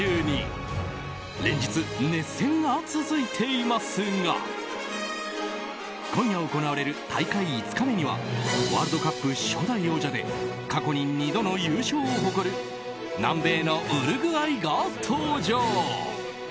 連日、熱戦が続いていますが今夜行われる大会５日目にはワールドカップ初代王者で過去に２度の優勝を誇る南米のウルグアイが登場。